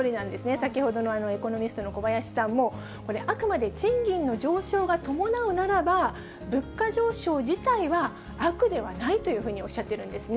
先ほどのエコノミストの小林さんも、これ、あくまで賃金の上昇が伴うならば、物価上昇自体は悪ではないというふうにおっしゃっているんですね。